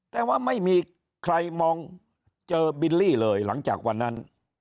แต่ว่าไม่มีใครมองเจอบิลลี่เลยหลังจากวันนั้น